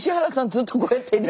ずっとこうやってて。